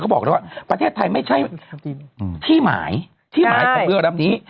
เขาบอกแล้วว่าประเทศไทยไม่ใช่อืมที่หมายที่หมายของเรือแบบนี้